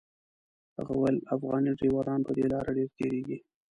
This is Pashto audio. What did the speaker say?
هغه ویل افغاني ډریوران په دې لاره ډېر تېرېږي.